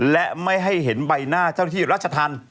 และไม่ให้เห็นใบหน้าเจ้าหน้าที่รัชธรรม